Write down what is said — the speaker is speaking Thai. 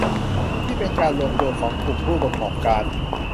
ที่เป็นการรวมตัวของกลุ่มผู้ประกอบการ